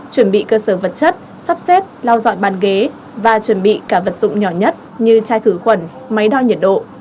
chuẩn bị cơ sở vật chất sắp xếp lau dọn bàn ghế và chuẩn bị cả vật dụng nhỏ nhất như chai thử khuẩn máy đo nhiệt độ